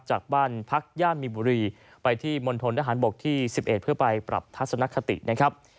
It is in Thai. จากบ้านพักย่านมีบุรีไปที่มณฑนทหารบกที่๑๑เพื่อไปปรับทัศนคตินะครับ